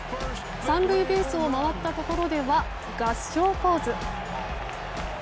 ３塁ベースを回ったところでは合掌ポーズ。